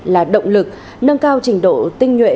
là động lực nâng cao trình độ tinh nhuệ